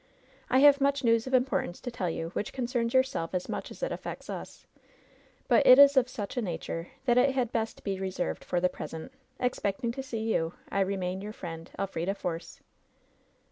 I have much news of importance to tell you, which concerns yourself as much as it affects us ; but it is of such a nature that it had best be reserved for the present. Expecting to see you, I remain your friend, " ^LFBIDA FOEOB.'